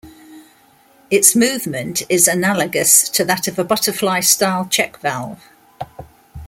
Its movement is analogous to that of a butterfly-style check valve.